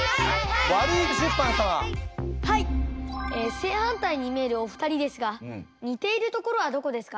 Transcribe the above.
正反対に見えるお二人ですが似ているところはどこですか？